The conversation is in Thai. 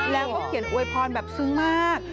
แล้วก็เขียนอวยพรแบบซึ้งมาก